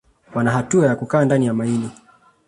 Wana hatua ya kukaa ndani ya maini